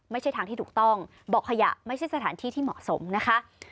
ไม่ใช่ทางที่ถูกต้องบอกขยะไม่ใช่สถานที่ที่เหมาะสมนะคะ